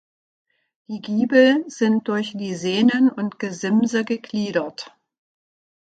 Die Giebel sind durch Lisenen und Gesimse gegliedert.